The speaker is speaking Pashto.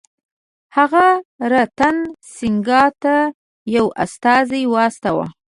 هغه رتن سینګه ته یو استازی واستاوه.